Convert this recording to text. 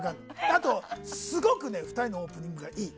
あとは、すごく２人のオープニングがいい。